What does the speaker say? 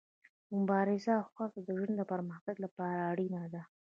مبارزه او هڅه د ژوند د پرمختګ لپاره اړینه ده.